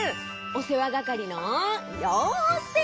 おせわがかりのようせい！